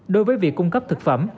đối với việc cung cấp thực phẩm